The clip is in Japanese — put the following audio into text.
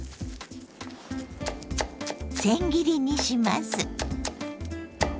せん切りにします。